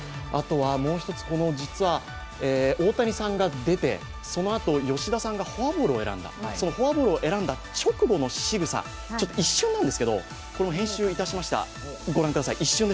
もう一つ、実は大谷さんが出てそのあと吉田さんがフォアボールを選んだ、そのフォアボールを選んだ直後のしぐさ、一瞬なんですけど、編集いたしました。